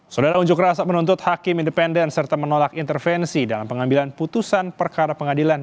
saudara unjuk rasa menuntut hakim independen serta menolak intervensi dalam pengambilan putusan perkara pengadilan